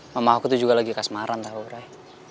mama aku tuh juga lagi kasmaran tahu rai